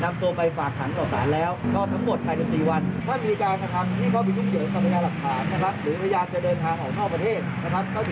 เขาถือว่าผิดเครื่องขายการประกันตัว